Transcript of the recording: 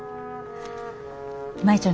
舞ちゃん